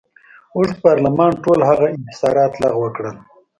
اوږد پارلمان ټول هغه انحصارات لغوه کړل.